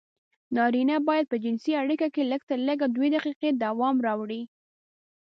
نارينه بايد په جنسي اړيکه کې لږترلږه دوې دقيقې دوام راوړي.